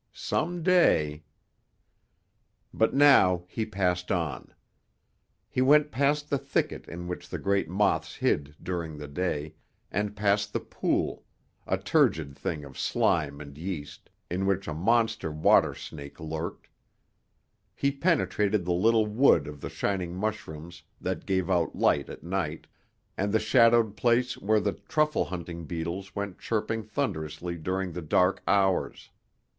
Some day But now he passed on. He went past the thicket in which the great moths hid during the day, and past the pool a turgid thing of slime and yeast in which a monster water snake lurked. He penetrated the little wood of the shining mushrooms that gave out light at night, and the shadowed place where the truffle hunting beetles went chirping thunderously during the dark hours.